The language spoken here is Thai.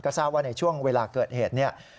ทราบว่าในช่วงเวลาเกิดเหตุเนี่ย